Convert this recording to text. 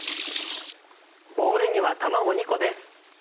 ボウルには卵２個です。